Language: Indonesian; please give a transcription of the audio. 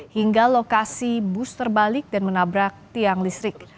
hingga lokasi bus terbalik dan menabrak tiang listrik